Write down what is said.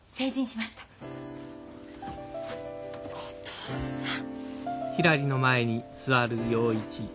お父さん。